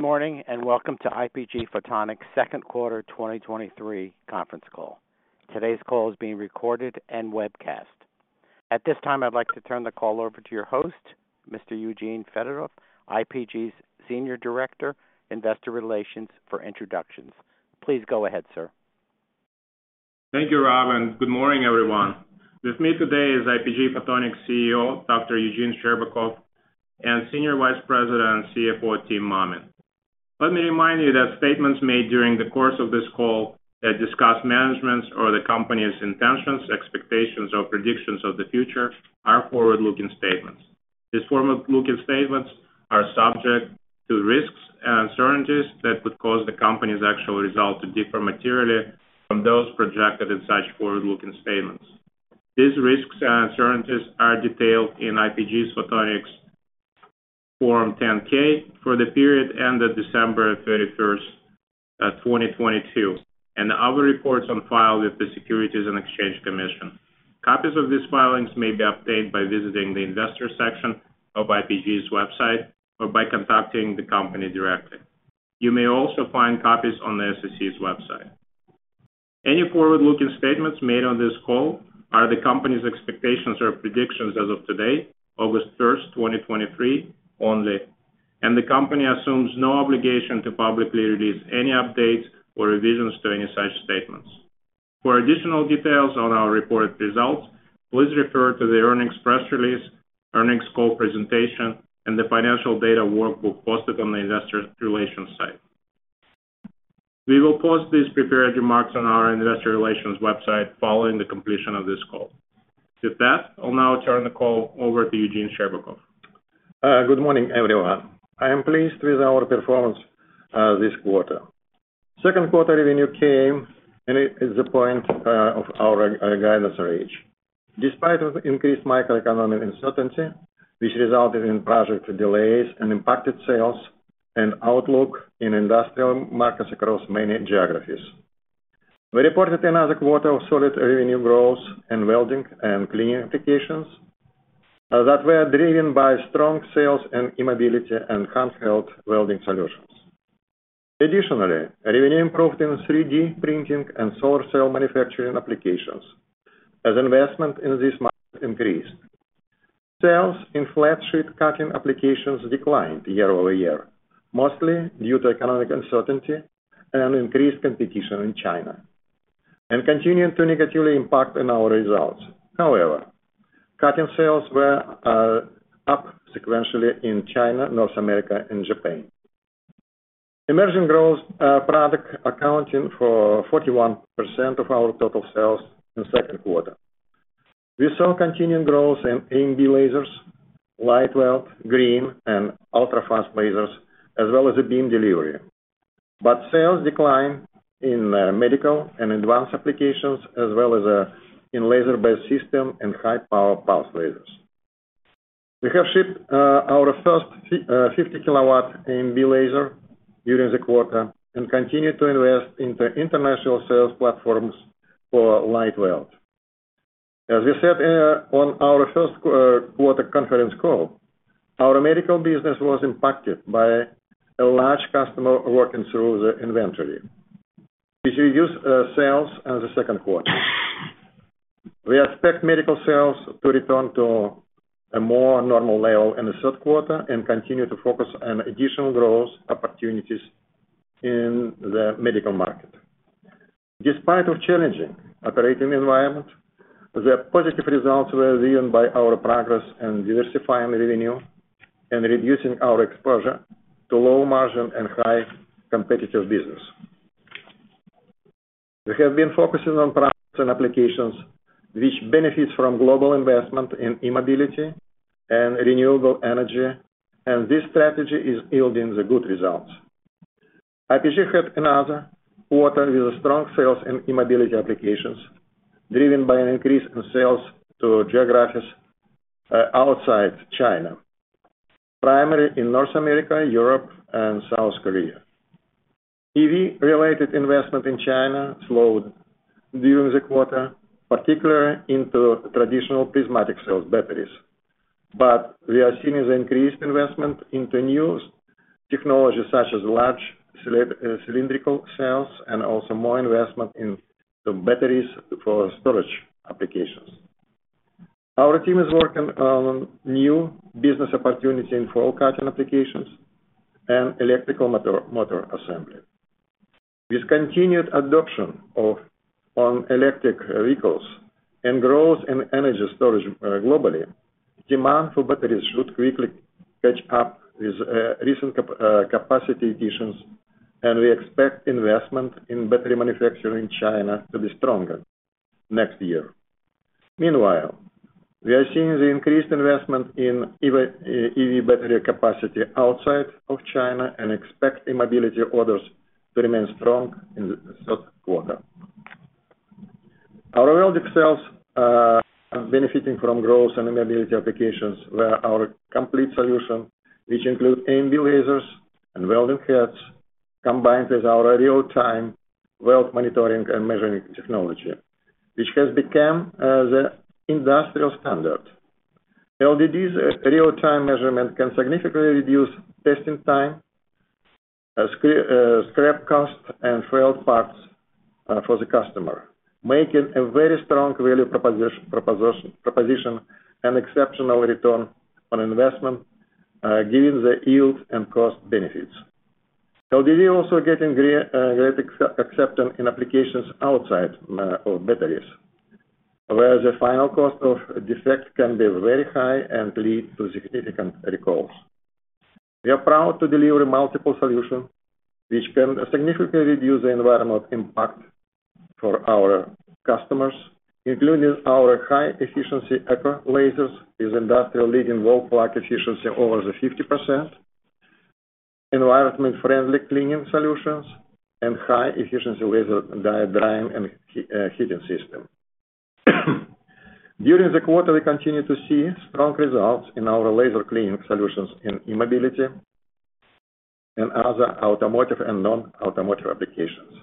Good morning, and welcome to IPG Photonics' Second Quarter 2023 Conference Call. Today's call is being recorded and webcast. At this time, I'd like to turn the call over to your host, Mr. Eugene Fedotoff, IPG's Senior Director, Investor Relations for introductions. Please go ahead, sir. Thank you, Robin. Good morning, everyone. With me today is IPG Photonics CEO, Dr. Eugene Scherbakov, and Senior Vice President and CFO, Timothy Mammen. Let me remind you that statements made during the course of this call that discuss management's or the company's intentions, expectations, or predictions of the future are forward-looking statements. These forward-looking statements are subject to risks and uncertainties that could cause the company's actual results to differ materially from those projected in such forward-looking statements. These risks and uncertainties are detailed in IPG Photonics' Form 10-K for the period ended December 31st, 2022, and other reports on file with the Securities and Exchange Commission. Copies of these filings may be obtained by visiting the investor section of IPG's website or by contacting the company directly. You may also find copies on the SEC's website. Any forward-looking statements made on this call are the company's expectations or predictions as of today, August 1st, 2023, only, and the company assumes no obligation to publicly release any updates or revisions to any such statements. For additional details on our reported results, please refer to the earnings press release, earnings call presentation, and the financial data workbook posted on the investor relations site. We will post these prepared remarks on our investor relations website following the completion of this call. With that, I'll now turn the call over to Eugene Scherbakov. Good morning, everyone. I am pleased with our performance this quarter. Second quarter revenue came, it is a point of our guidance range. Despite of increased macroeconomic uncertainty, which resulted in project delays and impacted sales and outlook in industrial markets across many geographies. We reported another quarter of solid revenue growth in welding and cleaning applications that were driven by strong sales and e-mobility and handheld welding solutions. Additionally, revenue improved in 3D printing and solar cell manufacturing applications as investment in this market increased. Sales in flat sheet cutting applications declined year-over-year, mostly due to economic uncertainty and increased competition in China, and continued to negatively impact on our results. However, cutting sales were up sequentially in China, North America, and Japan. Emerging growth product accounting for 41% of our total sales in second quarter. We saw continued growth in AMB lasers, LightWELD, Green, and Ultrafast lasers, as well as the beam delivery, but sales declined in medical and advanced applications, as well as in laser-based system and high power pulsed lasers. We have shipped our first 50 kW AMB laser during the quarter and continued to invest in the international sales platforms for LightWELD. As we said on our first quarter conference call, our medical business was impacted by a large customer working through the inventory, which reduced sales in the second quarter. We expect medical sales to return to a more normal level in the third quarter and continue to focus on additional growth opportunities in the medical market. Despite of challenging operating environment, the positive results were driven by our progress in diversifying revenue and reducing our exposure to low margin and high competitive business. We have been focusing on products and applications which benefits from global investment in e-mobility and renewable energy, and this strategy is yielding the good results. IPG had another quarter with strong sales in e-mobility applications, driven by an increase in sales to geographies, outside China, primarily in North America, Europe, and South Korea. EV-related investment in China slowed during the quarter, particularly into traditional prismatic cell batteries. We are seeing the increased investment into new technologies, such as large cylindrical cells, and also more investment in the batteries for storage applications. Our team is working on new business opportunities in foil cutting applications and electrical motor, motor assembly. With continued adoption on electric vehicles and growth in energy storage globally, demand for batteries should quickly catch up with recent capacity additions, and we expect investment in battery manufacturing in China to be stronger next year. Meanwhile, we are seeing the increased investment in EV battery capacity outside of China and expect e-mobility orders to remain strong in the third quarter. Our welding cells are benefiting from growth in e-mobility applications, where our complete solution, which include AMB lasers and welding heads, combines with our real-time weld monitoring and measuring technology, which has become the industrial standard. LDD's real-time measurement can significantly reduce testing time, scrap cost, and failed parts for the customer, making a very strong value proposition, and exceptional return on investment, giving the yield and cost benefits. LDD also getting great acceptance in applications outside of batteries, where the final cost of defect can be very high and lead to significant recalls. We are proud to deliver multiple solution, which can significantly reduce the environmental impact for our customers, including our high efficiency ECO lasers, with industrial leading wall-plug efficiency over the 50%, environment-friendly cleaning solutions, and high efficiency laser dye drying and heating system. During the quarter, we continued to see strong results in our laser cleaning solutions in e-mobility and other automotive and non-automotive applications.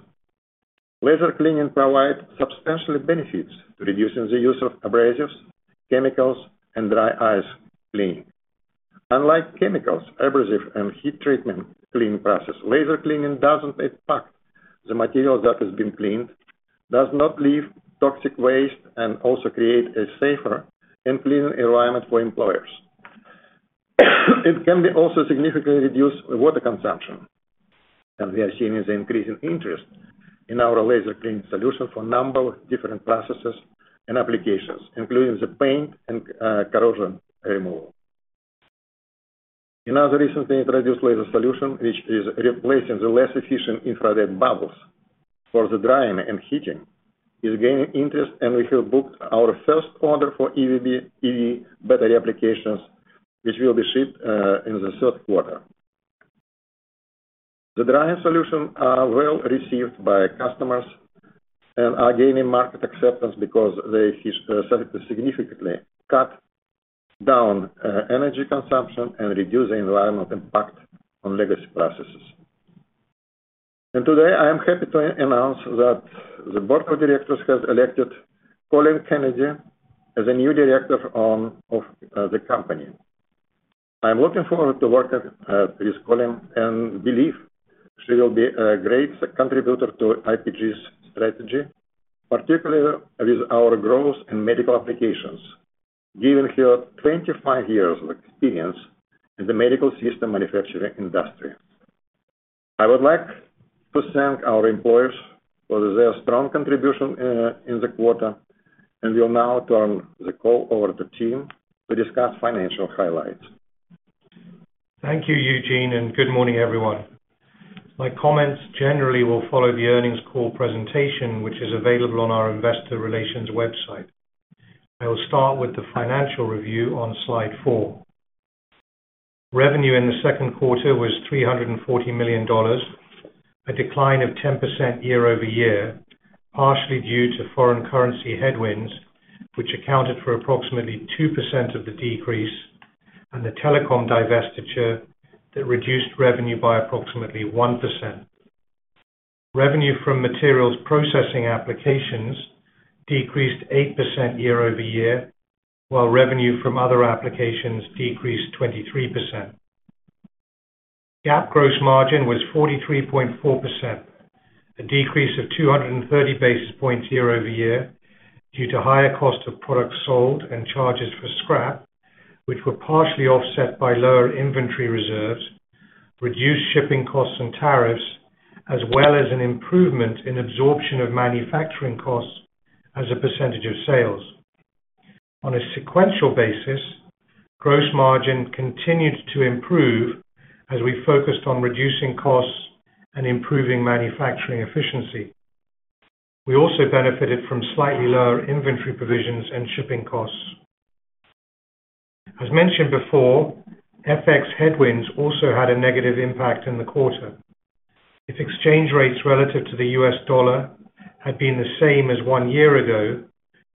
Laser cleaning provide substantial benefits, reducing the use of abrasives, chemicals, and dry ice cleaning. Unlike chemicals, abrasive and heat treatment cleaning process, laser cleaning doesn't impact the material that has been cleaned, does not leave toxic waste, and also create a safer and cleaner environment for employees. It can be also significantly reduce water consumption, and we are seeing the increase in interest in our laser cleaning solution for a number of different processes and applications, including the paint and corrosion removal. Another recent thing, introduced laser solution, which is replacing the less efficient infrared bubbles for the drying and heating, is gaining interest, and we have booked our first order for EVB EV battery applications, which will be shipped in the third quarter. The drying solution are well received by customers and are gaining market acceptance because they significantly cut down energy consumption and reduce the environmental impact on legacy processes. Today, I am happy to announce that the Board of Directors has elected Kolleen Kennedy as a new director of the company. I'm looking forward to working with Kolleen, and believe she will be a great contributor to IPG's strategy, particularly with our growth in medical applications, given her 25 years of experience in the medical system manufacturing industry. I would like to thank our employees for their strong contribution in the quarter, and will now turn the call over to Timothy to discuss financial highlights. Thank you, Eugene. Good morning, everyone. My comments generally will follow the earnings call presentation, which is available on our investor relations website. I will start with the financial review on slide for. Revenue in the second quarter was $340 million, a decline of 10% year-over-year, partially due to foreign currency headwinds, which accounted for approximately 2% of the decrease, and the telecom divestiture that reduced revenue by approximately 1%. Revenue from materials processing applications decreased 8% year-over-year, while revenue from other applications decreased 23%. GAAP gross margin was 43.4%, a decrease of 230 basis points year-over-year, due to higher cost of products sold and charges for scrap, which were partially offset by lower inventory reserves, reduced shipping costs and tariffs, as well as an improvement in absorption of manufacturing costs as a percentage of sales. On a sequential basis, gross margin continued to improve as we focused on reducing costs and improving manufacturing efficiency. We also benefited from slightly lower inventory provisions and shipping costs. As mentioned before, FX headwinds also had a negative impact in the quarter. If exchange rates relative to the U.S. dollar had been the same as one year ago,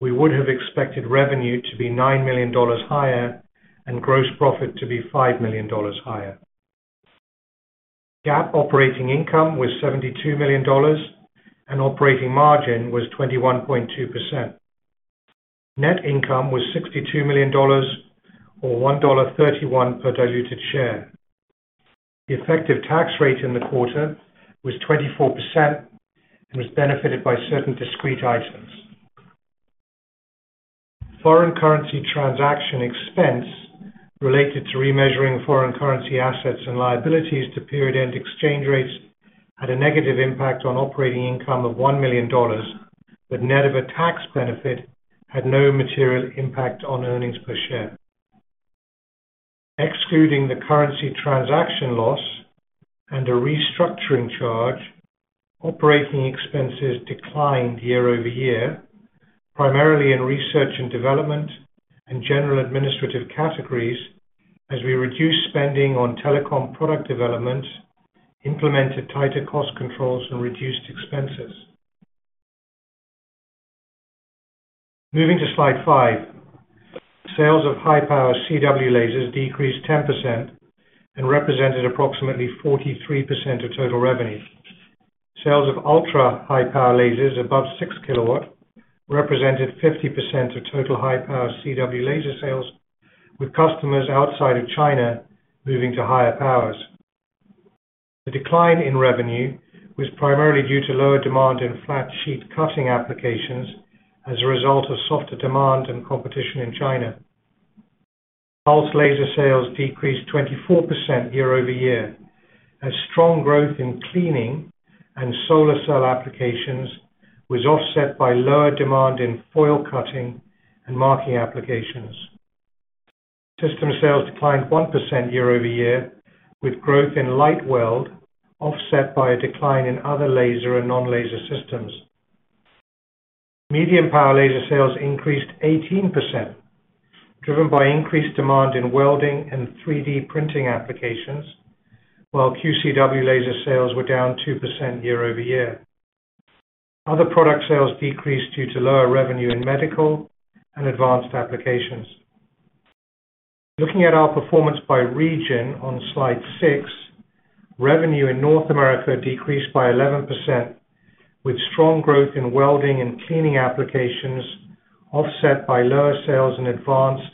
we would have expected revenue to be $9 million higher and gross profit to be $5 million higher. GAAP operating income was $72 million, operating margin was 21.2%. Net income was $62 million, or $1.31 per diluted share. The effective tax rate in the quarter was 24% and was benefited by certain discrete items. Foreign currency transaction expense related to remeasuring foreign currency assets and liabilities to period-end exchange rates had a negative impact on operating income of $1 million, net of a tax benefit, had no material impact on earnings per share. Excluding the currency transaction loss and a restructuring charge, operating expenses declined year-over-year, primarily in research and development and general administrative categories, as we reduced spending on telecom product development, implemented tighter cost controls, and reduced expenses. Moving to slide five. Sales of high power CW lasers decreased 10% and represented approximately 43% of total revenue. Sales of ultra high power lasers above 6 kW represented 50% of total high power CW laser sales, with customers outside of China moving to higher powers. The decline in revenue was primarily due to lower demand in flat sheet cutting applications as a result of softer demand and competition in China. Pulse laser sales decreased 24% year-over-year, as strong growth in cleaning and solar cell applications was offset by lower demand in foil cutting and marking applications. System sales declined 1% year-over-year, with growth in LightWELD offset by a decline in other laser and non-laser systems. Medium power laser sales increased 18%, driven by increased demand in welding and 3D printing applications, while QCW laser sales were down 2% year-over-year. Other product sales decreased due to lower revenue in medical and advanced applications. Looking at our performance by region on slide six, revenue in North America decreased by 11%, with strong growth in welding and cleaning applications, offset by lower sales in advanced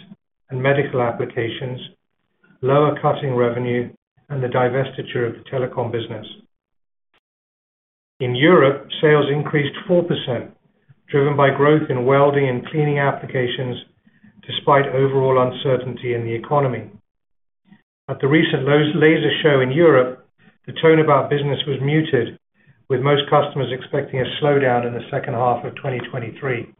and medical applications, lower cutting revenue, and the divestiture of the telecom business. In Europe, sales increased 4%, driven by growth in welding and cleaning applications, despite overall uncertainty in the economy. At the recent laser show in Europe, the tone about business was muted, with most customers expecting a slowdown in the second half of 2023.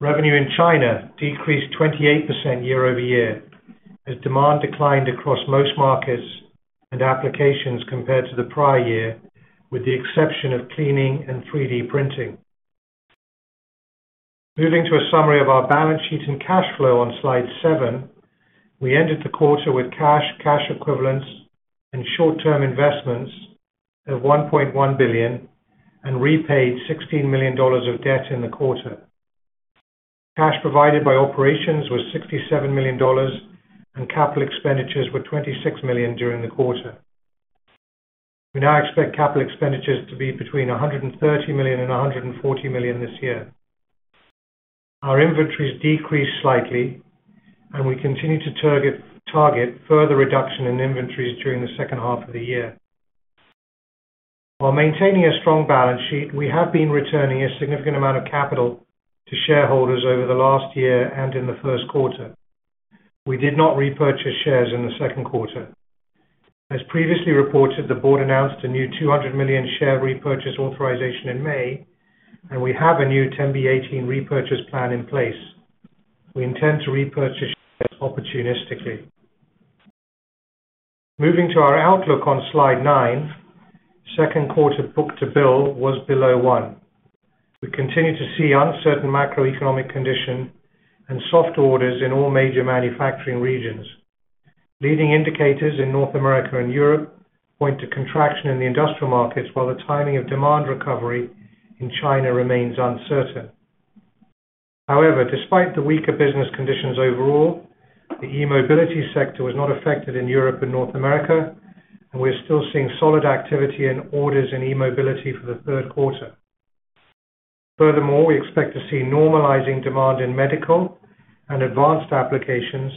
Revenue in China decreased 28% year-over-year, as demand declined across most markets and applications compared to the prior year, with the exception of cleaning and 3D printing. Moving to a summary of our balance sheet and cash flow on slide seven. We ended the quarter with cash, cash equivalents, and short-term investments of $1.1 billion, and repaid $16 million of debt in the quarter. Cash provided by operations was $67 million, and capital expenditures were $26 million during the quarter. We now expect capital expenditures to be between $130 million and $140 million this year. Our inventories decreased slightly, and we continue to target, target further reduction in inventories during the second half of the year. While maintaining a strong balance sheet, we have been returning a significant amount of capital to shareholders over the last year and in the first quarter. We did not repurchase shares in the second quarter. As previously reported, the board announced a new $200 million share repurchase authorization in May, and we have a new 10b-18 repurchase plan in place. We intend to repurchase opportunistically. Moving to our outlook on slide 9. Second quarter book-to-bill was below 1x. We continue to see uncertain macroeconomic condition and soft orders in all major manufacturing regions. Leading indicators in North America and Europe point to contraction in the industrial markets, while the timing of demand recovery in China remains uncertain. Despite the weaker business conditions overall, the e-mobility sector was not affected in Europe and North America, and we're still seeing solid activity in orders in e-mobility for the third quarter. We expect to see normalizing demand in medical and advanced applications,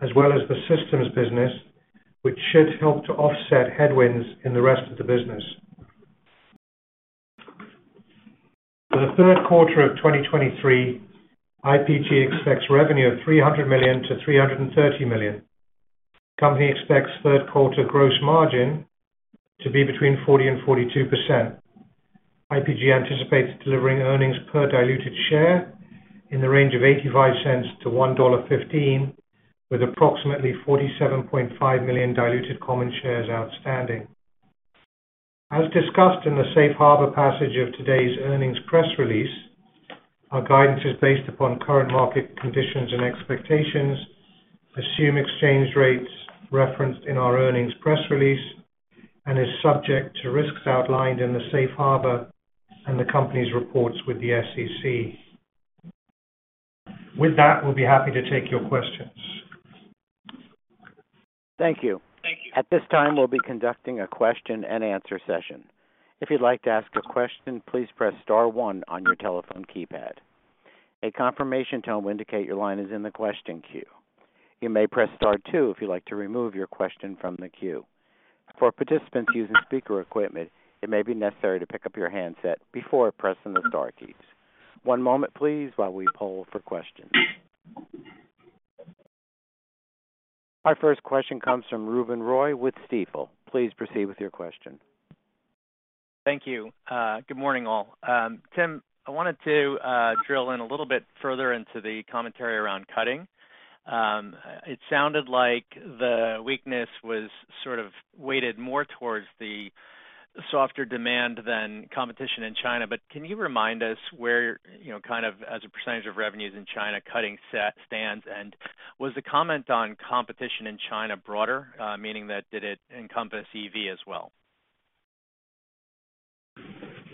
as well as the systems business, which should help to offset headwinds in the rest of the business. For the third quarter of 2023, IPG expects revenue of $300 million-$330 million. Company expects third quarter gross margin to be between 40% and 42%. IPG anticipates delivering earnings per diluted share in the range of $0.85–$1.15, with approximately 47.5 million diluted common shares outstanding. As discussed in the Safe Harbor passage of today's earnings press release, our guidance is based upon current market conditions and expectations, assume exchange rates referenced in our earnings press release, and is subject to risks outlined in the Safe Harbor and the company's reports with the SEC. With that, we'll be happy to take your questions. Thank you. At this time, we'll be conducting a question and answer session. If you'd like to ask a question, please press star one on your telephone keypad. A confirmation tone will indicate your line is in the question queue. You may press star two if you'd like to remove your question from the queue. For participants using speaker equipment, it may be necessary to pick up your handset before pressing the star keys. One moment please, while we poll for questions. Our first question comes from Ruben Roy with Stifel. Please proceed with your question. Thank you. Good morning, all. Tim, I wanted to drill in a little bit further into the commentary around cutting. It sounded like the weakness was sort of weighted more towards the softer demand than competition in China, but can you remind us where, you know, kind of as a percentage of revenues in China, cutting set stands? Was the comment on competition in China broader? Meaning that did it encompass EV as well?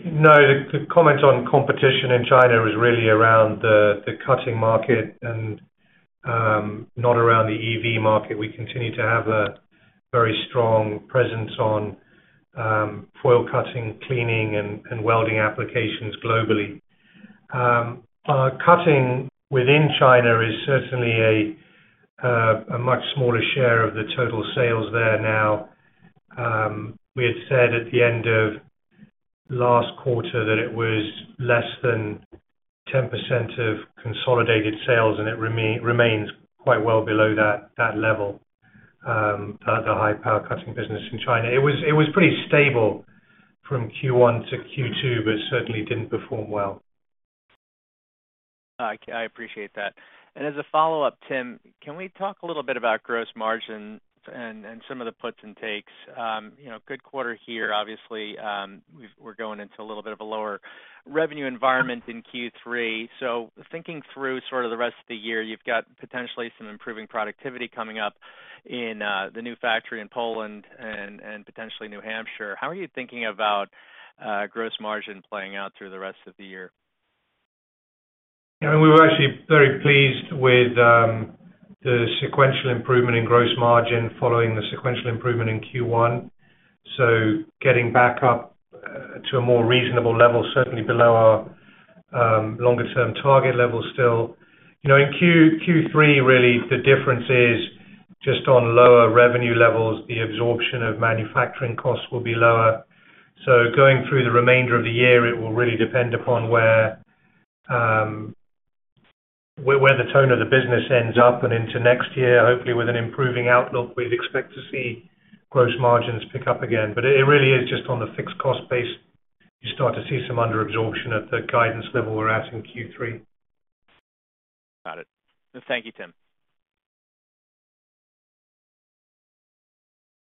No, the comment on competition in China was really around the cutting market and not around the EV market. We continue to have a very strong presence on foil cutting, cleaning, and welding applications globally. Our cutting within China is certainly a much smaller share of the total sales there now. We had said at the end of last quarter that it was less than 10% of consolidated sales, and it remains quite well below that level, the high power cutting business in China. It was pretty stable from Q1 to Q2, but certainly didn't perform well. I appreciate that. As a follow-up, Tim, can we talk a little bit about gross margin and some of the puts and takes? you know, good quarter here, obviously, we're going into a little bit of a lower revenue environment in Q3. Thinking through sort of the rest of the year, you've got potentially some improving productivity coming up in the new factory in Poland and potentially New Hampshire. How are you thinking about gross margin playing out through the rest of the year? Yeah, we were actually very pleased with the sequential improvement in gross margin following the sequential improvement in Q1. Getting back up to a more reasonable level, certainly below our longer term target level still. You know, in Q3, really, the difference is just on lower revenue levels, the absorption of manufacturing costs will be lower. Going through the remainder of the year, it will really depend upon where the tone of the business ends up and into next year. Hopefully, with an improving outlook, we'd expect to see gross margins pick up again. It, it really is just on the fixed cost base. You start to see some under absorption at the guidance level we're at in Q3. Got it. Thank you, Tim.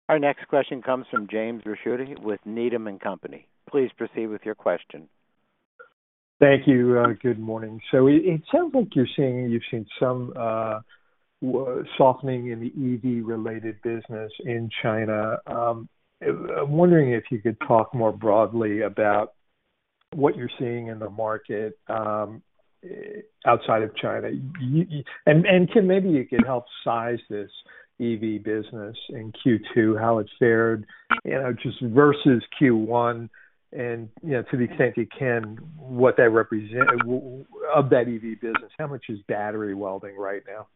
Our next question comes from James Ricchiuti with Needham & Company. Please proceed with your question. Thank you. Good morning. It, it sounds like you're seeing—you've seen some softening in the EV related business in China. I'm wondering if you could talk more broadly about what you're seeing in the market outside of China. And Tim, maybe you could help size this EV business in Q2, how it's fared, you know, just versus Q1, and, you know, to the extent you can, what that represent—of that EV business, how much is battery welding right now?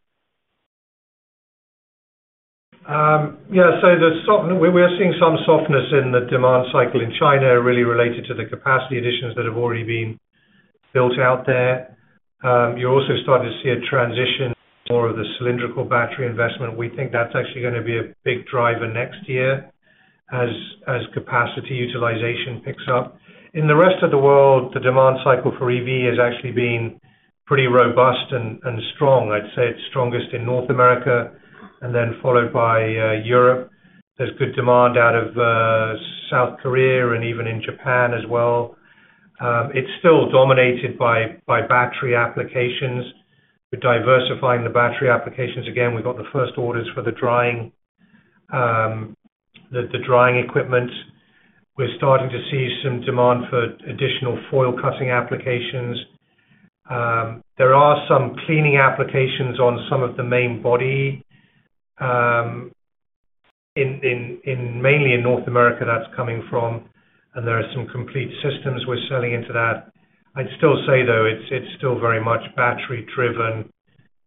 Yeah, the soften—we are seeing some softness in the demand cycle in China, really related to the capacity additions that have already been built out there. You're also starting to see a transition to more of the cylindrical battery investment. We think that's actually gonna be a big driver next year as capacity utilization picks up. In the rest of the world, the demand cycle for EV has actually been pretty robust and strong. I'd say it's strongest in North America and then followed by Europe. There's good demand out of South Korea and even in Japan as well. It's still dominated by battery applications. We're diversifying the battery applications. Again, we've got the first orders for the drying equipment. We're starting to see some demand for additional foil cutting applications. There are some cleaning applications on some of the main body, in mainly in North America, that's coming from, and there are some complete systems we're selling into that. I'd still say, though, it's still very much battery driven.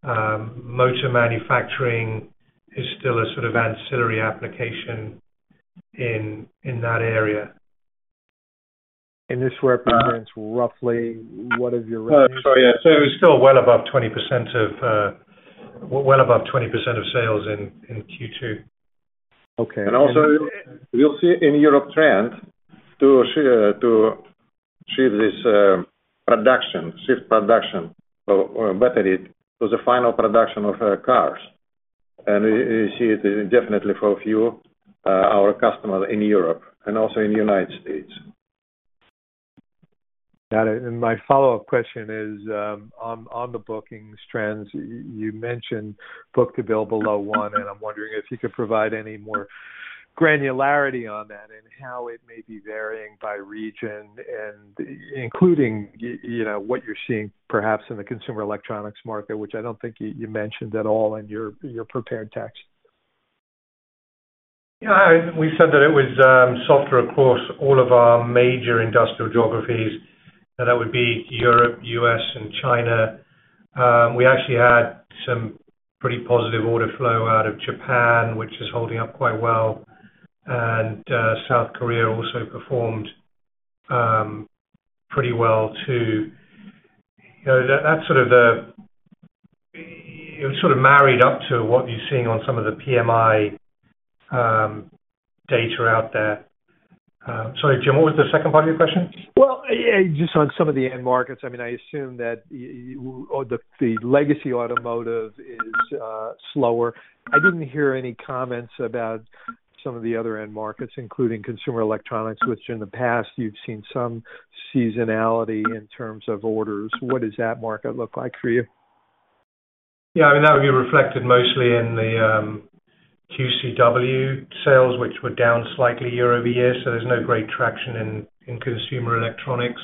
Motor manufacturing is still a sort of ancillary application in that area. This represents roughly what of your? Yeah. It's still well above 20% of, well above 20% of sales in, in Q2. Okay. Also, we'll see in Europe trend to shift this production, shift production for battery to the final production of cars. You see it definitely for a few—our customers in Europe and also in the United States. Got it. My follow-up question is, on the bookings trends. You mentioned book-to-bill below 1x, and I'm wondering if you could provide any more granularity on that and how it may be varying by region and including, you know, what you're seeing perhaps in the consumer electronics market, which I don't think you mentioned at all in your prepared text. Yeah, we said that it was softer across all of our major industrial geographies, that would be Europe, U.S., and China. We actually had some pretty positive order flow out of Japan, which is holding up quite well. South Korea also performed pretty well, too. You know, it was sort of married up to what you're seeing on some of the PMI data out there. Sorry, Jim, what was the second part of your question? Well, just on some of the end markets. I mean, I assume that or the, the legacy automotive is slower. I didn't hear any comments about some of the other end markets, including consumer electronics, which in the past you've seen some seasonality in terms of orders. What does that market look like for you? Yeah, I mean, that would be reflected mostly in the QCW sales, which were down slightly year-over-year, so there's no great traction in consumer electronics.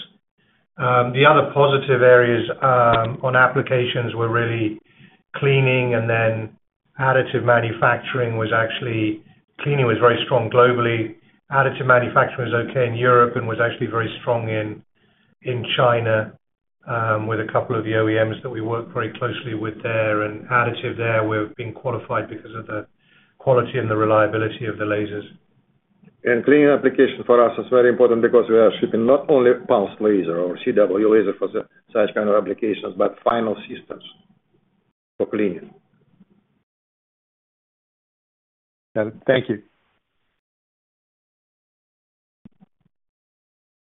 The other positive areas on applications were really cleaning and then additive manufacturing. Cleaning was very strong globally. Additive manufacturing was okay in Europe and was actually very strong in China, with a couple of the OEMs that we work very closely with there. Additive there, we've been qualified because of the quality and the reliability of the lasers. Cleaning application for us is very important because we are shipping not only pulse laser or CW laser for the such kind of applications, but final systems for cleaning. Thank you.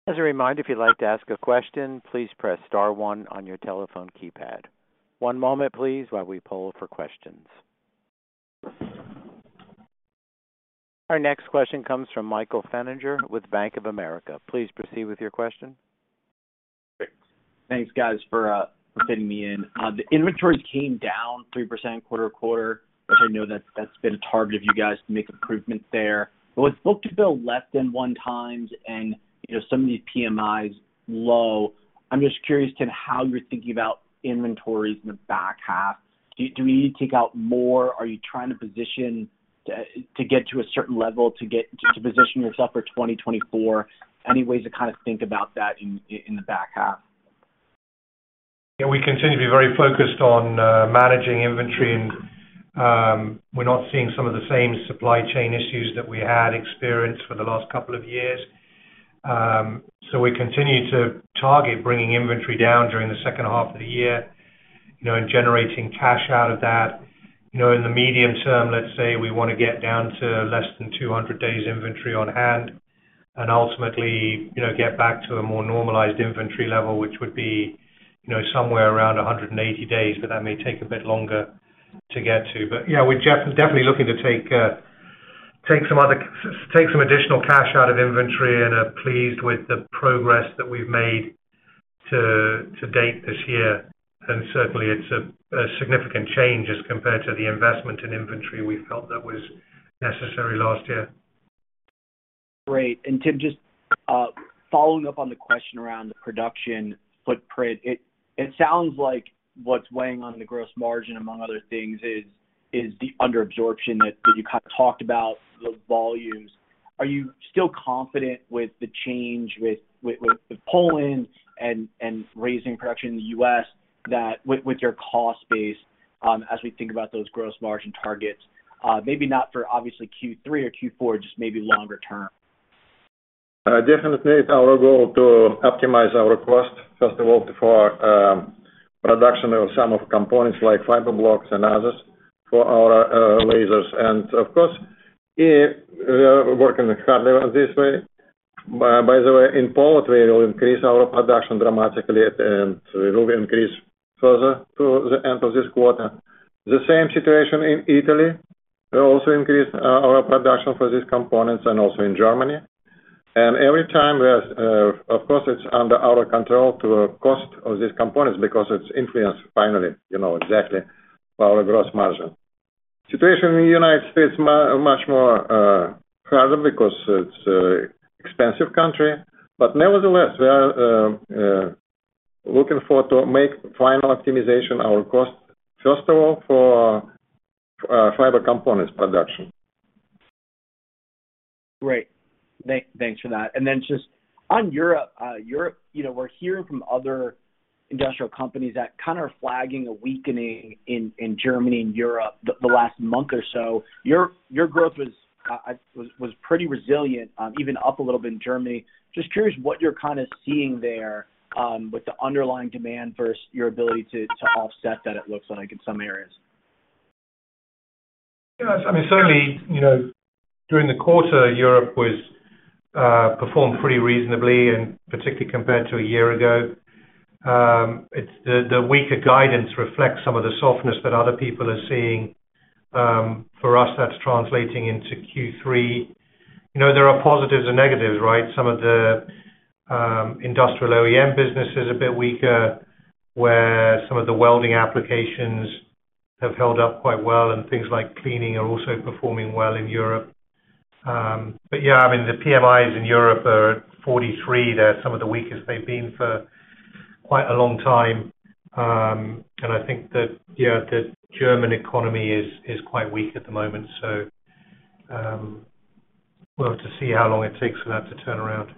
As a reminder, if you'd like to ask a question, please press star one on your telephone keypad. One moment, please, while we poll for questions. Our next question comes from Michael Feniger with Bank of America. Please proceed with your question. Thanks, guys, for fitting me in. The inventories came down 3% quarter-to-quarter, which I know that's been a target of you guys to make improvements there. With book-to-bill less than 1x and, you know, some of these PMIs low, I'm just curious to how you're thinking about inventories in the back half. Do you—do we need to take out more? Are you trying to position, to get to a certain level, to get—to position yourself for 2024? Any ways to kind of think about that in the back half? Yeah, we continue to be very focused on managing inventory, we're not seeing some of the same supply chain issues that we had experienced for the last couple of years. We continue to target bringing inventory down during the second half of the year, you know, and generating cash out of that. You know, in the medium term, let's say we want to get down to less than 200 days inventory on hand, ultimately, you know, get back to a more normalized inventory level, which would be, you know, somewhere around 180 days, that may take a bit longer to get to. Yeah, we're definitely looking to take some additional cash out of inventory and are pleased with the progress that we've made to date this year. Certainly, it's a significant change as compared to the investment in inventory we felt that was necessary last year. Great. Tim, just following up on the question around the production footprint, it sounds like what's weighing on the gross margin, among other things, is the underabsorption that you kind of talked about, the volumes. Are you still confident with the change with the Poland and raising production in the U.S., that with your cost base, as we think about those gross margin targets? Maybe not for obviously Q3 or Q4, just maybe longer term. Definitely, it's our goal to optimize our cost, first of all, for production of some of components like fiber blocks and others for our lasers. Of course, we are working harder on this way. By the way, in Poland, we will increase our production dramatically, and we will increase further to the end of this quarter. The same situation in Italy. We'll also increase our production for these components, and also in Germany. Every time we are, of course, it's under our control to the cost of these components because it's influenced finally, you know, exactly our gross margin. Situation in the United States much more harder because it's an expensive country. Nevertheless, we are looking forward to make final optimization our cost, first of all, for fiber components production. Great. Thank, thanks for that. Then just on Europe, you know, we're hearing from other industrial companies that kind of are flagging a weakening in Germany and Europe the last month or so. Your growth was pretty resilient, even up a little bit in Germany. Just curious what you're kind of seeing there, with the underlying demand versus your ability to offset that it looks like in some areas. Yes, I mean, certainly, you know, during the quarter, Europe was—performed pretty reasonably, and particularly compared to a year ago. It's the weaker guidance reflects some of the softness that other people are seeing. For us, that's translating into Q3. You know, there are positives and negatives, right? Some of the, industrial OEM business is a bit weaker, where some of the welding applications have held up quite well, and things like cleaning are also performing well in Europe. I mean, the PMIs in Europe are at 43. They're some of the weakest they've been for quite a long time. I think that, you know, the German economy is quite weak at the moment, we'll have to see how long it takes for that to turn around.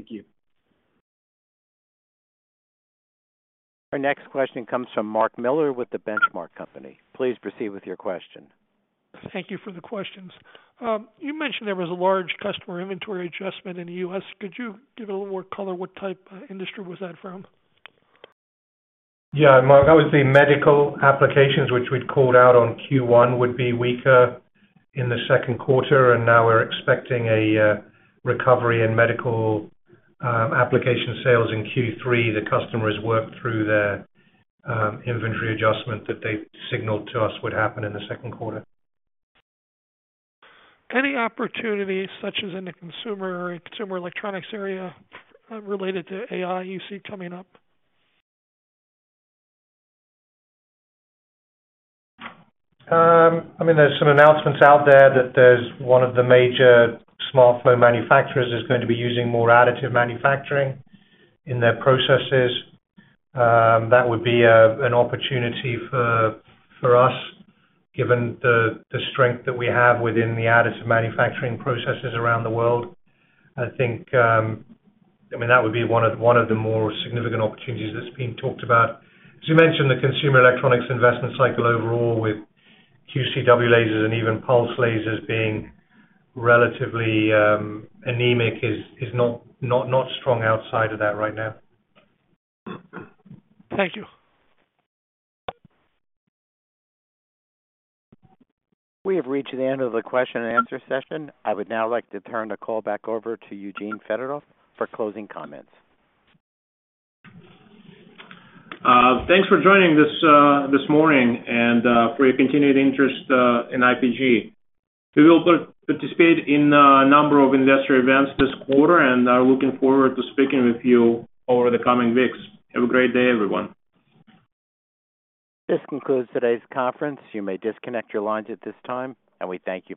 Thank you. Our next question comes from Mark Miller with The Benchmark Company. Please proceed with your question. Thank you for the questions. You mentioned there was a large customer inventory adjustment in the U.S. Could you give a little more color, what type industry was that from? Yeah, Mark, that was the medical applications which we'd called out on Q1, would be weaker in the second quarter. Now we're expecting a recovery in medical application sales in Q3. The customers worked through their inventory adjustment that they signaled to us would happen in the second quarter. Any opportunities, such as in the consumer or consumer electronics area, related to AI you see coming up? I mean, there's some announcements out there that there's one of the major smartphone manufacturers is going to be using more additive manufacturing in their processes. That would be an opportunity for us, given the strength that we have within the additive manufacturing processes around the world. I think, I mean, that would be one of the more significant opportunities that's being talked about. As you mentioned, the consumer electronics investment cycle overall with QCW lasers and even pulse lasers being relatively anemic is not strong outside of that right now. Thank you. We have reached the end of the question and answer session. I would now like to turn the call back over to Eugene Fedotoff for closing comments. Thanks for joining this morning, and for your continued interest in IPG. We will participate in a number of investor events this quarter, and are looking forward to speaking with you over the coming weeks. Have a great day, everyone. This concludes today's conference. You may disconnect your lines at this time, and we thank you for your participation.